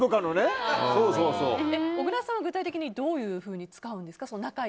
小倉さんは具体的にどういうふうに使うんですか？